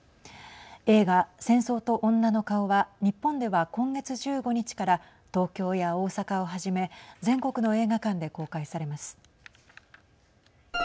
映画「戦争と女の顔」は日本では、今月１５日から東京や大阪をはじめ全国の映画館で公開されます。